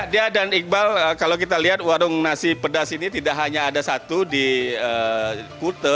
dia dan iqbal kalau kita lihat warung nasi pedas ini tidak hanya ada satu di kute